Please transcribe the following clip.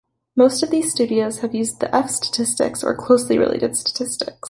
Most of these studies have used the "F" statistics or closely related statistics.